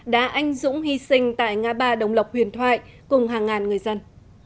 đã anh dũng hy sinh tại ngã ba đồng lộc huyền thoại cùng hàng ngàn người dân